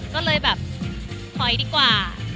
ก็เลยแบบถอยดีกว่า